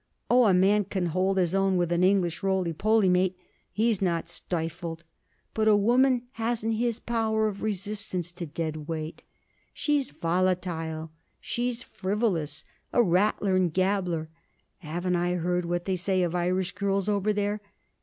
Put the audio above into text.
Oh, a man can hold his own with an English roly poly mate: he's not stifled! But a woman hasn't his power of resistance to dead weight. She's volatile, she's frivolous, a rattler and gabbler haven't I heard what they say of Irish girls over there?